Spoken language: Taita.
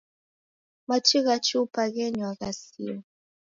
Machi gha chupa ghenywa ghasia.